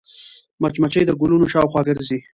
مچمچۍ د ګلونو شاوخوا ګرځي